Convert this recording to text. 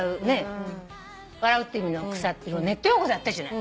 笑うって意味の草ってネット用語だったじゃない？